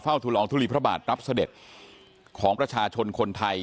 เฝ้าทุนหองทุรีพระบารรับสเด็ดของประชาชนคนไทย